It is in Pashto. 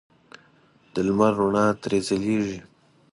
د لمر رڼا ترې ځلېږي.